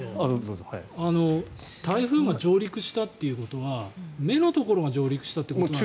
台風が上陸したということは目のところが上陸したということでしょ？